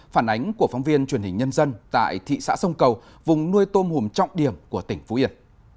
phản ánh của phóng viên truyền hình nhân dân tại thị xã sông cầu vùng nuôi tôm hùm trọng điểm của tỉnh phú yên